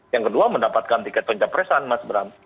yang kedua mendapatkan tiket pencapaian perasaan mas bram